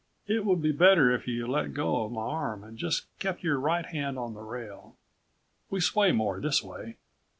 "It would be better if you let go of my arm and just kept your right hand on the rail. We sway more this way."